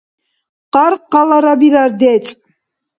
Къаркъалара бирар децӀ.